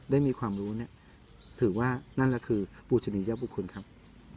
ได้มีความรู้เนี่ยถือว่านั่นแหละคือปูชนียบุคุณครับ